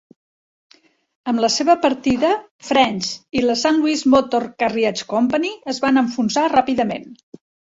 Amb la seva partida, French i la "Saint Louis Motor Carriage Company" es van enfonsar ràpidament.